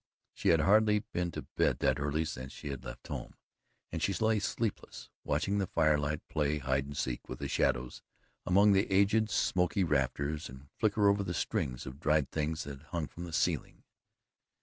She had hardly been to bed that early since she had left home, and she lay sleepless, watching the firelight play hide and seek with the shadows among the aged, smoky rafters and flicker over the strings of dried things that hung from the ceiling.